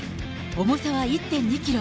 重さは１．２キロ。